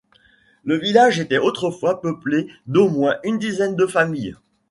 Le village était autrefois peuplé d’au moins une dizaine de familles.